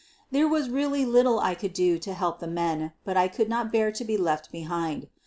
There was really little I could do to help the men, but 1 could not bear to be left behind.